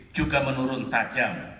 juga menurun tajam